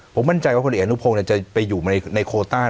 ผมมั่นใจว่าคนเอกอนุพงศ์จะไปอยู่ในโคต้า